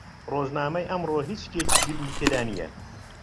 ڕۆژنامەی ئەمڕۆ هیچ شتێکی گرنگی تێدا نییە.